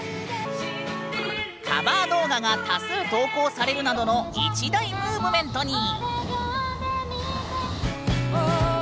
カバー動画が多数投稿されるなどの一大ムーブメントに！